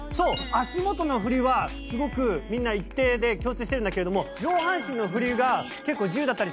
足元の振りはすごくみんな一定で共通してるんだけれども上半身の振りが結構自由だったりします。